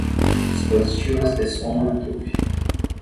Dispositivos de som Bluetooth.